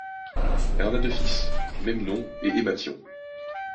Elle en a deux fils, Memnon et Émathion.